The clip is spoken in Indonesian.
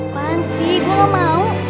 apaan sih gua gak mau